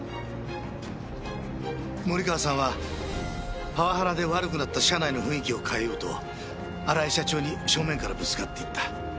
森川さんはパワハラで悪くなった社内の雰囲気を変えようと荒井社長に正面からぶつかっていった。